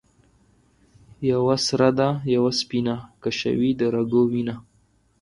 یوه سره ده یوه سپینه ـ کشوي د رګو وینه